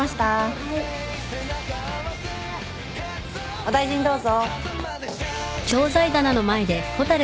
お大事にどうぞ。